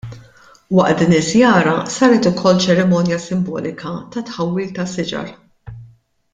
Waqt din iż-żjara saret ukoll ċerimonja simbolika ta' tħawwil ta' siġar.